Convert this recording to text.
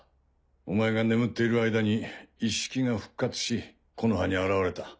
お前が眠っている間にイッシキが復活し木ノ葉に現れた。